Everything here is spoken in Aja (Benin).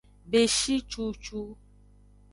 Beshi cucu.